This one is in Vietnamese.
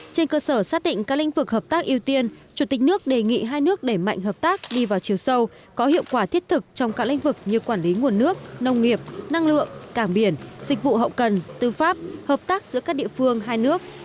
trên cơ sở xác định các lĩnh vực hợp tác ưu tiên chủ tịch nước đề nghị hai nước đẩy mạnh hợp tác đi vào chiều sâu có hiệu quả thiết thực trong các lĩnh vực như quản lý nguồn nước nông nghiệp năng lượng cảng biển dịch vụ hậu cần tư pháp hợp tác giữa các địa phương hai nước